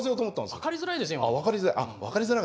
分かりづらいです今の。